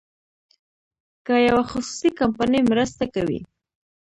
که یوه خصوصي کمپنۍ مرسته کوي.